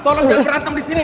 tolong jangan berantem disini